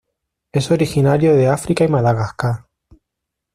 Es originario de África y Madagascar.